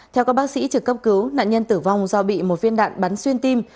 theo các bác sĩ trực cấp cứu nạn nhân tử vong do bị một viên đạn bắn xuyên tim